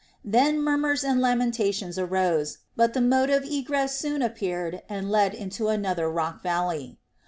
Then murmurs and lamentations arose, but the mode of egress soon appeared and led to another rock valley.